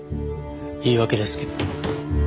言い訳ですけど。